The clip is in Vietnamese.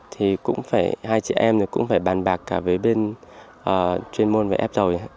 thì cũng phải hai chị em cũng phải bàn bạc cả với bên chuyên môn về ép dầu